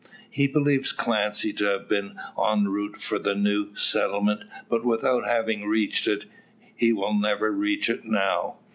He believes Clancy to have been en route for the new settlement, but without having reached it. He will never reach it now.